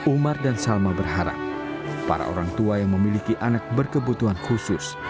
umar dan salma berharap para orang tua yang memiliki anak berkebutuhan khusus